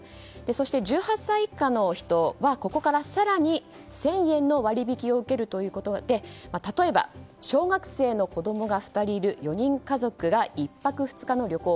そして１８歳以下の人はここから更に１０００円の割引を受けるということで例えば、小学生の子供が２人いる４人家族が１泊２日の旅行。